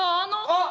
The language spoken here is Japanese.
あっ！